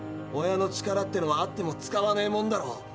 親の力ってのはあっても使わねえもんだろ。